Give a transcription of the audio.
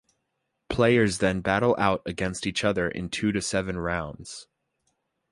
Players then battle out against each other in two to seven rounds.